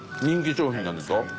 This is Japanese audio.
人気商品なんですか？